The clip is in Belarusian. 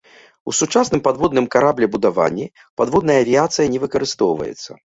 У сучасным падводным караблебудаванні падводная авіяцыя не выкарыстоўваецца.